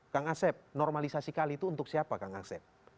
kang asep normalisasi kali itu untuk siapa kang asep